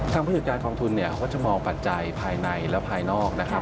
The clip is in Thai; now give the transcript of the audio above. ผู้จัดการกองทุนเนี่ยเขาก็จะมองปัจจัยภายในและภายนอกนะครับ